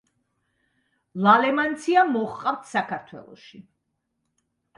ლალემანცია მოჰყავთ საქართველოში.